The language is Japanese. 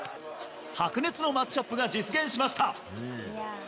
白熱のマッチアップが実現しました。